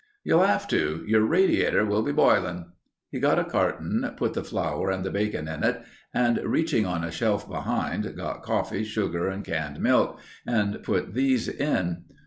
"You'll have to. Your radiator will be boiling." He got a carton, put the flour and bacon in it and reaching on a shelf behind, got coffee, sugar, and canned milk and put these in.